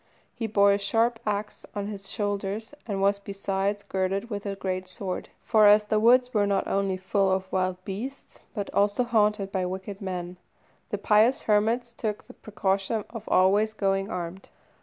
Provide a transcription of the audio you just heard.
He bore a sharp axe on his shoulders, and was besides girded with a great sword; for as the woods were not only full of wild beasts, but also haunted by wicked men, the pious hermits took the precaution of always going armed.